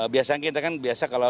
biasanya kita kan biasa kalau